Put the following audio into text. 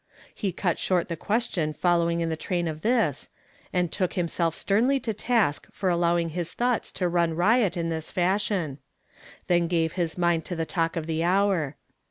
lie cut short the question following in the train of this, and took himself sternly to task for allowing his thoughts to run riot in this fashion ; then gave his mind to the talk of the hour.